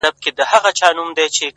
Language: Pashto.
نو ځکه هغه ته پرده وايو،